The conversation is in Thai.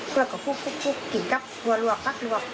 คลือเปล่ากับผู้กลิ่นกับหัวหลวกทักหลวก